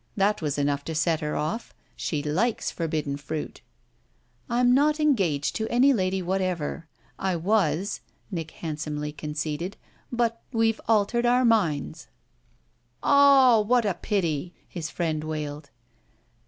That was enough to set her off she likes forbidden fruit." "I'm not engaged to any lady whatever. I was," Nick handsomely conceded, "but we've altered our minds." "Ah, what a pity!" his friend wailed.